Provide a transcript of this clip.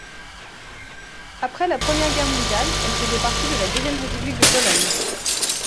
Après la Première Guerre mondiale, elle faisait partie de la Deuxième République de Pologne.